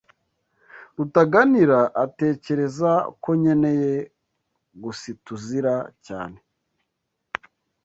Rutaganira atekereza ko nkeneye gusiTUZIra cyane.